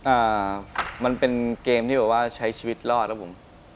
อ่ามันเป็นเกมที่แบบว่าใช้ชีวิตรอดครับผม